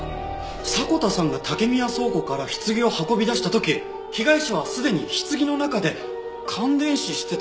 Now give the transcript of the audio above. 迫田さんが竹宮倉庫から棺を運び出した時被害者はすでに棺の中で感電死してたって事になるよね。